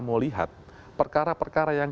mau lihat perkara perkara yang